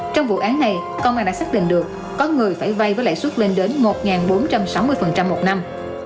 trong vụ án này công an đã xác định được có người phải vay với lãi suất lên đến một bốn trăm sáu mươi một năm